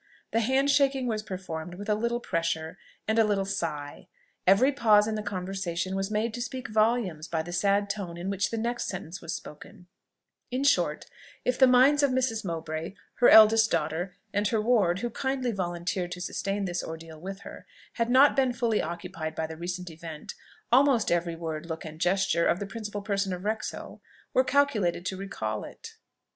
The hand shaking was performed with a little pressure and a little sigh; every pause in the conversation was made to speak volumes by the sad tone in which the next sentence was spoken: in short, if the minds of Mrs. Mowbray, her eldest daughter, and her ward, who kindly volunteered to sustain this ordeal with her, had not been fully occupied by the recent event, almost every word, look, and gesture of the principal person of Wrexhill were calculated to recall it.